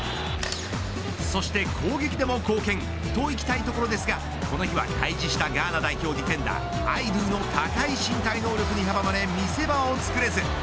そして、攻撃でも貢献といきたいところですがこの日は対峙したガーナ代表ディフェンダーアイドゥーの高い身体能力に阻まれ見せ場をつくれず。